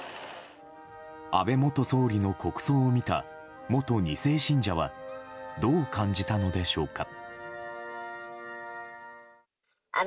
安倍元総理の国葬を見た元２世信者はどう感じたのでしょうか。